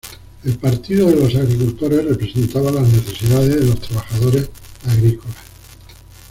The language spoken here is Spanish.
El Partido de los Agricultores representaba las necesidades de los trabajadores agrícolas.